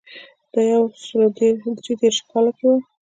دا په یو سوه درې دېرش کال کې و